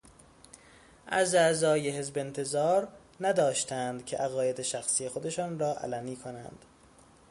از اعضای حزبانتظار نداشتند که عقاید شخصی خودشان را علنی کنند.